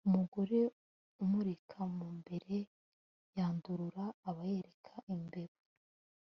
umugore umurika mu mbere yandurura, aba yereka imbeba